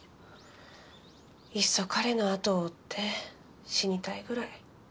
いっそ彼のあとを追って死にたいぐらい。